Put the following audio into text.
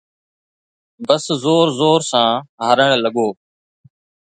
بس زور زور سان هارڻ لڳو